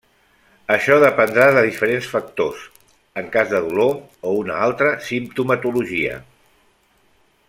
Això, dependrà de diferents factors, en cas de dolor o una altra simptomatologia.